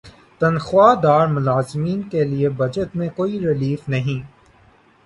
تنخواہ دار ملازمین کے لیے بجٹ میں کوئی ریلیف نہیں